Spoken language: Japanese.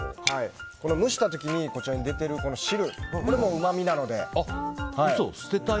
蒸した時にこちらに出てる汁これもうまみなので。